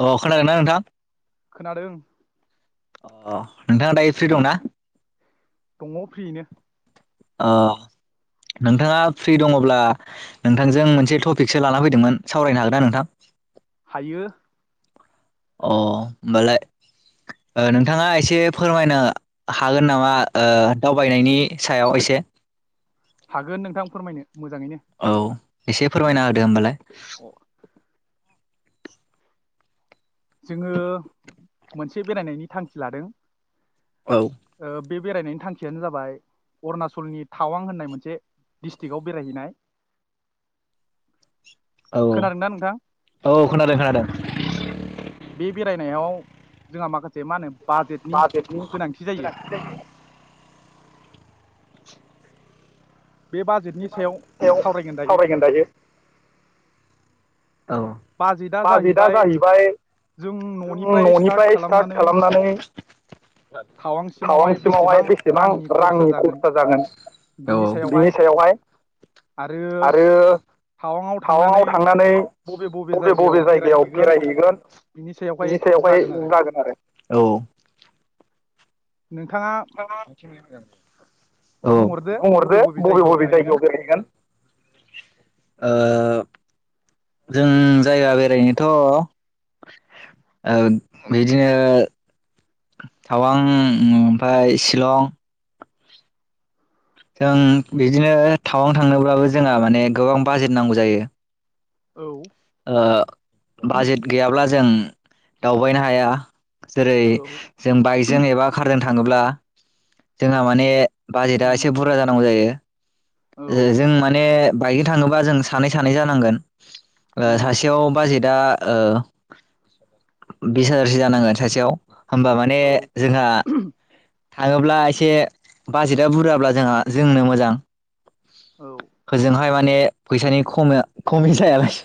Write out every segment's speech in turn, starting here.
अ खोनागोन ना नोंथां? खोनादों। अ नोंथाङा दायो फ्रि दंना? दङ फ्रियैनो अ नोंथाङा फ्रि दङब्ला नोंथांजों मोनसे टपिकसो लाना फैदोंमोन सावरायनो हागोन ना नोंथां? हायो। अ होमबालाय ओ नोंथाङा एसे फोरमायनो हागोन नामा दावबायनायनि सायाव एसे? हागोन नोंथां फोरमायनो। मोजाङैनो औ एसे फोरमायना होदो होमबालाय जोङो मोनसे बेरायनायनि थांखि लादों। औ ओ बे बेरायनायनि थांखियानो जाबाय अरुणाचलनि थावां होननाय मोनसे डिस्ट्रिक्टआव बेरायहैनाय औ खोनादोंना नोंथां औ खोनादों खोनादों। बे बेरायनायाव जोंहा माखा बाजेटनि गोनांथि जायो। बे बाजेदनि सायाव सावरायगोन दायो। औ बाजेटआ जाहैबाय जों न'निफ्राय स्टार्ट खालामनानै टावांसिमावहाय बेसेबां रांनि खरसा जागोन औ बिनि सायावहाय आरो टावाङाव थांनानै। बबे बबे जायगायाव बेरायहैगोन बिनि सायावहाय जागोन आरो औ नोंथाङा औ बे बुंहरदो बबे बबे जायगायाव बेरायहैगोन। जों जायगा बेरायनोथ' ओ बिदिनो टावां ओमफ्राय शिलं जों बिदिनो टाउआव थांनोब्लाबो जोंहा माने गोबां बाजेट नांगौ जायो। औ ओ बाजेट गैयाब्ला जों दावबायनो हाया जेरै औ जों बाय जों एबा कारजों थाङोब्ला जोंहा माने बाजेटआ एसे उम बुरजा जानांगौ जायो औ जों माने बाइकजों थाङोबा जों सानै सानै जानांगोन उम सासेयाव बाजेटआ बिस हाजारसो जानांगोन सासेयाव होमबा माने औ जोंहा थाङोब्ला एसे बाजेटआ बुरजाब्ला जोंहा जोंनो मोजां औ होजोंहाय माने फैसानि खम खमि जायालाय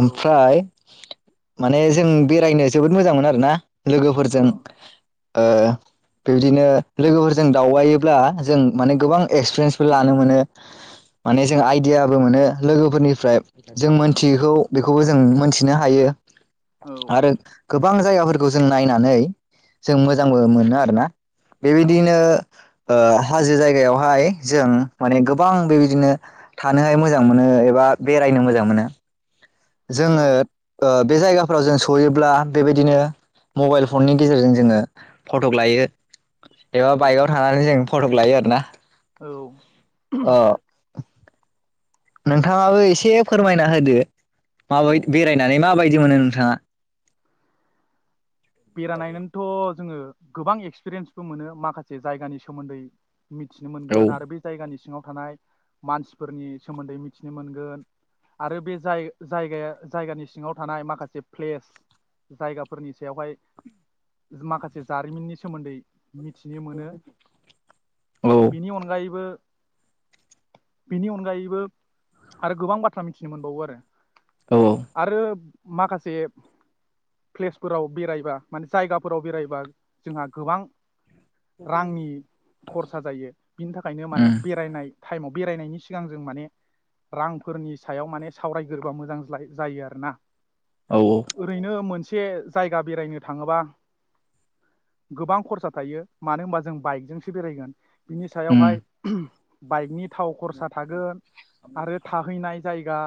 औ ओं माने जों बेरायनो जोबोद मोजां मोन आरो ना। लोगोफोरजों ओ बेबदिनो लोगोफोरजों दावबायोब्ला जों माने गोबां एक्सपिरियेन्सबो लानो मोनो माने जों आइदियाबो मोनो। लोगोफोरनिफ्राय जों मोनथियैखौ बेखौबो जों मोनथिनो हायो। औ आरो गोबां जायगाफोरखौ जों नायनानै जों मोजांबो मोनो आरो ना। औ बेबायदिनो ओ हाजो जायगायावहाय जों माने गोबां बेबायदिनो थानोहाय मोजां मोनो एबा बेरायनो मोजां मोनो जोङो ओ बे जायगाफ्राव जों सहैयोब्ला बेबायदिनो मबाइल फननि गेजेरजों जोङो फट'क लायो औ एबा बाइकआव थानानै जों फट'क लायो आरोना औ अ नोंथाङाबो एसे फोरमायना होदो अ माबाय बेरायनानै माबायदि मोनो नोंथाङा? बेराय नायनानैथ' जोङो गोबां एक्सपिरियेन्सबो मोनो माखासे जायगानि सोमोन्दै मिथिनो औ मोनगोन आरो बे जायगानि सिङाव थानाय मानसिफोरनि सोमोन्दै मिथिनो मोनगोन आरो बे जाय- जायगाया- जायगानि सिङाव थानाय माखासे प्लेस जायगाफोरनि सायावहाय माखासे जारिमिननि सोमोन्दै मिथिनो मोनो औ बेनि अनगायैबो बेनि अनगायैबो आरो गोबां बाथ्रा मिथिनो मोनबावो आरो औ आरो माखासे प्लेसफोराव बेरायबा माने जायगाफोराव बेरायबा जोंहा गोबां रांनि खरसा जायो बिनि थाखायनो माने उम बेरायनाय टाइमाव बेरायनायनि सिगां जों माने रांफोरनि सायाव माने सावरायग्रोबा मोजां जायो आरो ना औ औ ओरैनो मोनसे बे जायगा बेरायनो थाङोबा गोबां खरसा थायो मानो होनबा जों बाइकजोंसो बेरायगोन बिनि उम सायावहाय [unintelligible] बाइकनि थाव खरसा थागोन आरो थाहैनाय जायगा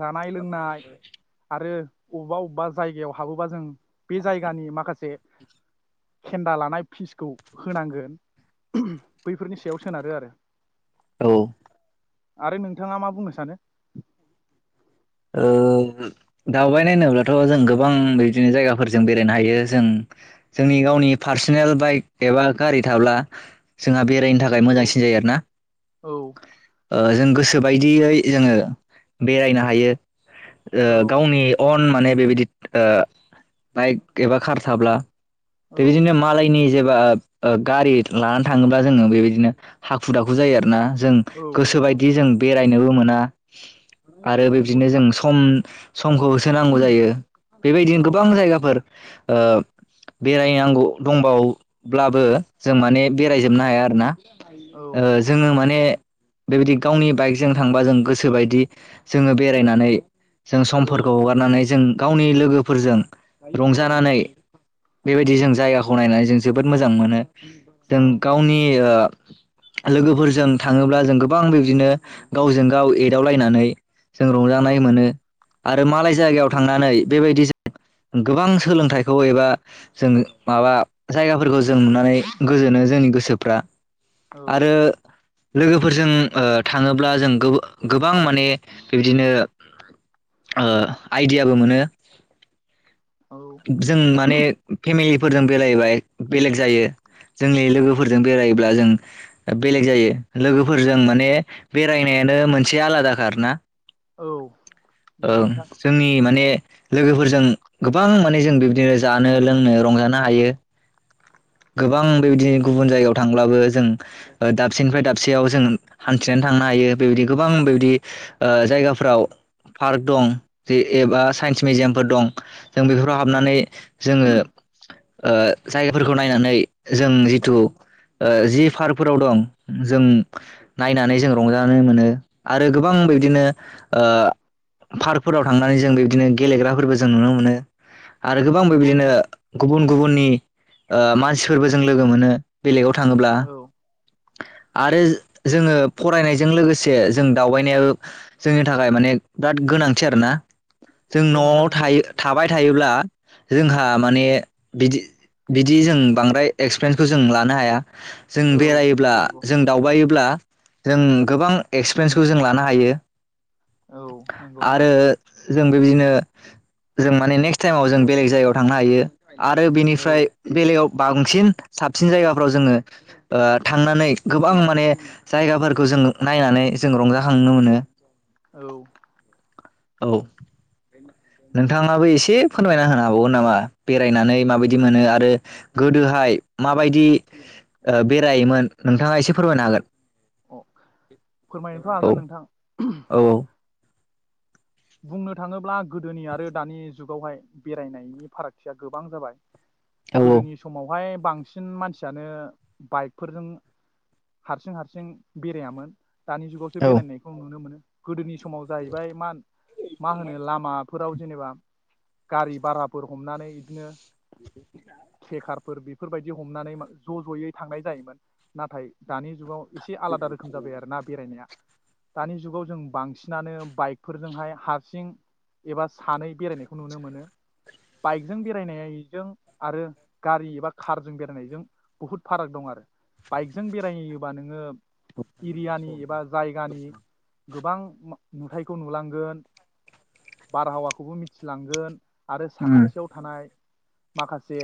जानाय लोंनाय आरो अबेबा अबेबा जायगायाव हाबोबा जों बे जायगानि माखासे खेन्दा लानाय फिसखौ होनांगोन बैफोरनि सायाव सोनारो आरो औ आरो नोंथाङा मा बुंनो सानो? ओ दावबायनाय होनोब्लाथ' जों गोबां बिदिनो जायगाफोरजों बेरायनो हायो जों जोंनि गावनि पार्सनेल बाइक एबा गारि थाब्ला जोंहा बेरायनो थाखाय औ मोजांसिन जायो आरोना औ ओ जों गोसोबायदियै जोङो बेरायनो हायो। ओ औ गावनि अन माने बेबायदि ओ बाइक एबा कार थाब्ला बे‌ औ बादिनो मालायनि जेबा ओ गारि लानानै थाङोब्ला जोङो बेबायदिनो हाखु दाखु जायो आरोना। जों औ औ औ गोसोबायदि जों बे रायनोबो मोना औ आरो बै नंगौ दिनो नोंथां जों सम समखौ होसोनांगौ जायो बेबायदिनो औ गोबां जायगाफोर ओ बेरायनांगौ दंबाव ब्लाबो जों माने बेरायजोबनो हाया आरोना। औ ओ जोङो माने बेबायदि गावनि बाइकजों थांबा जों गोसोबायदि जोङो बेरायनानै जों औ समफोरखौ हगारनानै जों गावनि लोगोफोरजों औ रंजानानै बेबायदि जों जायगाखौ नायनानै जों जोबोद मोजां मोनो औ जों गावनि ओ लोगोफोरजों थाङोब्ला जों गोबां बेबदिनो गावजों गाव एदावलायनानै जों रंजानाय मोनो आरो मालाय जायगायाव थांनानै बेबायदि गोबां सोलोंथाइखौ एबा जों माबा जायगाफोरखौ जों नुनानै गोजोनो जोंनि गोसो फ्रा आरो लोगोफोरजों ओ थाङोब्ला जों गोब गोबां माने बिबदिनो ओ आइडियाबो मोनो। जों माने फेमिलि फोरजों बेरायबाय बेलेग जायो जोंनि लोगोफोरजों बेरायोब्ला जों बेलेग जायो लोगोफोरजों माने बेरायनायानो मोनसे आलाद खा आरो ना। औ नंगौ ओं नोंथां जोंनि माने लोगोफोरजों गोब बां माने जों बिबदिनो जानो लोंनो रंजानो हायो। गोबां बेबायदि गुबुन जायगायाव थांब्लाबो जों ओ दाबसेनिफ्राय दाबसेयाव जों हान्थिनानै थांनो हायो बेबायदि गोबां बेबायदि ओ जायगाफ्राव पार्क दं जे एबा साइन्स मिउजियामफोर दं। जों बेफोराव औ हाबनानै जोङो ओ जायगाफोर खौ नायनानै जों जिथु ओ जि पार्कफोराव दं जों नायनानै जों रंजानो मोनो आरो गोबां बिब्दिनो ओ पार्कफोराव थांनानै जों बिब्दिनो गेलेग्राफोरबो जों नुनो मोनो। आरो गोबां नंगौ बेबायदिनो नोंथां गुबुन गुबुननि ओ मानसिफोरबो जों लोगो मोनो बेलेगाव थाङोब्ला औ आरो जोङो फरायनायजों लोगोसे जों दावबायनायाबो जोंनि थाखाय माने बिराद गोनांथि आरोना जों नंगौ न'आव नोंथां नंगौ थायो थाबाय थायोब्ला जोंहा माने बिदि बिदि जों बांद्राय एक्सपिरियेन्सखौ जों लानो हाया जों औ बेरायोब्ला नंगौ नंगौ जों दावबायोब्ला जों गोबां एक्सपिरियेन्सखौ जों लानो हायो औ नंगौ नोंथां आरो जों बेबायदिनो जों माने नेक्स्ट टाइमाव जों बेलेग जायगायाव थांनो हायो आरो औ बेनिफ्राय बेलेगायाव बांसिन साबसिन जायगाफ्राव जोङो ओ थांनानै गोबां माने जायगाफोरखौ जों नायनानै जों रंजाखांनो मोनो औ औ नोंथाङाबो एसे फोरमायना होनो हाबावगोन नामा बेरायनानै माबायदि मोनो आरो गोदोहाय माबायदि बेरायोमोन नोंथाङा एसे फोरमायनो हागोन अ फोरमायनोथ' औ हागोन नोंथां औ औ बुंनो थाङोब्ला गोदोनि आरो दानि जुगावहाय बेरायनायनि फारागथिया गोबां जाबाय औ गोदोनि समावहाय बांसिन मानसियानो बाइकफोरजों हारसिं हारसिं बेरायामोन दानि जुगावसो औ बेरायनायखौ नुनो मोनो गोदोनि समाव जाहैबाय मान मा होनो लामा फोराव जेनेबा गारि भाराफोर हमनानै इदिनो ट्रेखार फोर बेफोरबायदि हमनानै ज' ज'यै थांनाय जायोमोन नाथाय दानि जुगाव एसे आलादा रोखोम जाबाय आरो ना बेरायनाया दानि जुगाव जों बांसिनानो बाइक फोरजोंहाय हारसिं एबा सानै बेरायनायखौ नुनो मोनो बाइकजों बेरायनायजों आरो गारि एबा कारजों बेरायनायजों बुहुद फाराग दं आरो बाइकजों बेरायोबा नोङो एरियानि एबा जायगानि गोबां नुथाय खौ नुलांगोन बारहावाखौबो मिथिलांगोन आरो उम साखाथियाव थानाय माखासे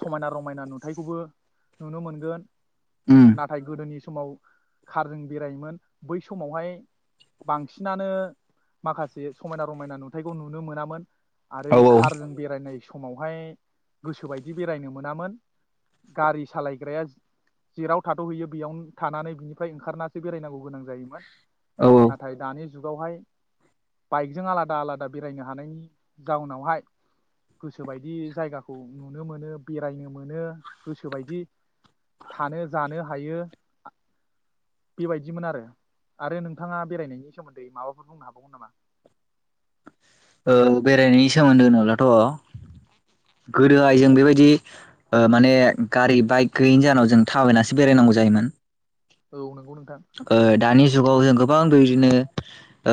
समायना रमायना नुथायखौबो नुनो मोनगोन उम नाथाय गोदोनि समाव खारजों बेरायोमोन बै समावहाय बांसिन बांसिनानो माखासे समायना रमायना नुथायखौ नुनो मोनामोन। आरो औ औ खारजों बेरायनायसो समावहाय गोसोबायदि बेरायनो मोनामोन गारि सालायग्राया जेराव थाथ'हैयो बेयावनो थानानै बिनिफ्राय ओंखारनासो बेरायनांगौ गोनां जायोमोन। औ नाथाय नि जुगावहाय बाइक जों आलादा आलादा बेरायनो हानायनि जाउनावहाय गोसोबायदि जायगाखौ नुनो मोनो बेरायनो मोनो गोसोबायदि थानो जानो हायो बेबायदिमोन आरो आरो नोंथाङा बेरायनायनि सोमोन्दै माबाफोर बुंनो हाबावगोन नामा? ओ बेरायनायनि सोमोन्दै होनोब्लाथ' गोदोहाय जों बेबायदि ओ माने गारि बाइक गैयैनि जाहोनाव जों थाबायनासो बेरायनांगौ जायोमोन। औ नोंगौ नों ओ दानि जुगाव जों गोबां बेबायदिनो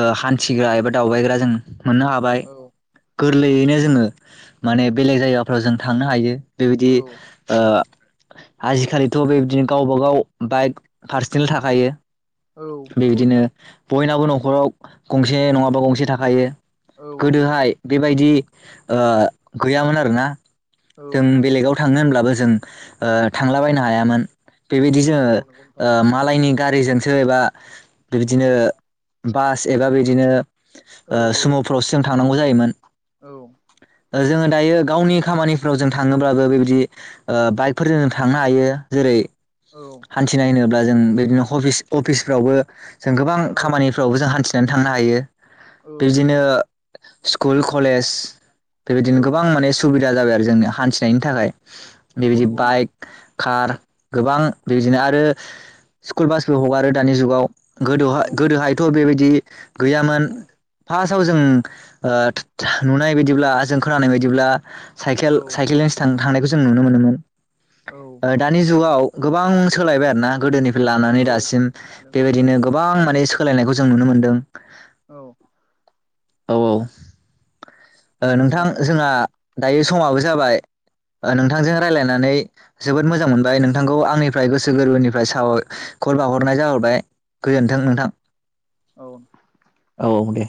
ओ हान्थिग्रा एबा दावबायग्रा जों मोननो हाबाय। औ गोरलैयैनो जोङो माने बेलेग जायगाफ्राव जों थांनो हायो। बेबायदि औ ओ आजिखालिथ' बेबायदिनो गावबागाव बाइक पार्सनेल थाखायो औ नंगौ बेबायदिनो नोंथां बय नाबो न'खराव गंसे नङाबा गंसे थाखायो। औ गोदोहाय बेबायदि ओ गैयामोन आरो ना? औ जों नंगौ बेलेगाव नोंथां थाङो होनब्लाबो जों ओ थांलाबायनो हायामोन। बेबायदि जोङो औ नंगौ नोंथां ओ मालायनि गारिजोंसो एबा बेबदिनो बास एबा बिदिनो औ ओ सुमुफ्राव सिगां थां थांनांगौ जायोमोन। औ जोङो दायो गावनि खामानिफ्राव जों थाङोब्लाबो बेबायदि ओ बाइकफोरजों जों थांनो हायो जेरै। औ हान्थिनाय होनोब्ला जों। बिदिनो हफिस अफिस फोरावबो जों गोबां औ खामानिफ्रावबो जों हान्थि जेन थांनो हायो। औ बिदिनो स्कुल कलेज औ बेबायदिनो गोबां माने सुबि दा जाबाय आरो जोंनो हान्थिनायनि थाखाय नंगौ बेबायदि नंगौ नोंथां बाइक कार गोबां बिदिनो आरो स्कुल बासबो हगारो दानि जुगाव गोदोहाय औ नंगौ गोदोहायथ' बेबायदि गैयामोन फार्स्ट फाव जों ओ नुनाय बायदिब्ला जों खोनानाय बायदिब्ला औ साइकेल साइकेलजोंसो थां थांनायखौ जों नुनो मोनोमोन औ ओ दानि जुगाव गोबां सोलायबाय आरो ना गोदोनि लानानै औ दासिम नंगौ नोंथां बेबायदिनो गोबां माने सोलायनायखौ जों नुनो मोन्दों औ औ औ ओ नोंथां जोंहा दायो समाबो जाबाय नोंथांजों रायलायनानै जोबोद मोजां मोनबाय नोंथांखौ आंनिफ्राय गोसो गोरबोनिफ्राय साब खर बावहरनाय जाहरबाय गोजोनथों नोंथां। औ औ दे